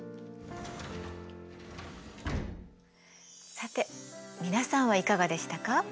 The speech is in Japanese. さて皆さんはいかがでしたか？